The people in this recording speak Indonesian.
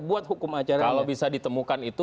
buat hukum acara kalau bisa ditemukan itu